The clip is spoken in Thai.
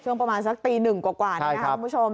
ประมาณสักตีหนึ่งกว่านะครับคุณผู้ชม